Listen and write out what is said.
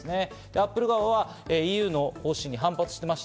Ａｐｐｌｅ側はＥＵの方針に反発しています。